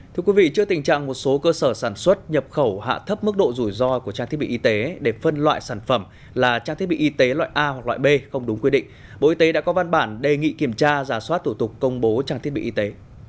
thưa quý vị trước tình trạng một số cơ sở sản xuất nhập khẩu hạ thấp mức độ rủi ro của trang thiết bị y tế để phân loại sản phẩm là trang thiết bị y tế loại a hoặc loại b không đúng quy định bộ y tế đã có văn bản đề nghị kiểm tra giả soát thủ tục công bố trang thiết bị y tế